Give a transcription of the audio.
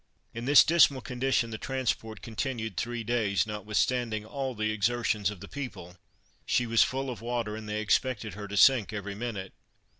In this dismal condition the transport continued three days; notwithstanding all the exertions of the people, she was full of water, and they expected her to sink every minute.